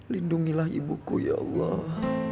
lindungilah ibuku ya allah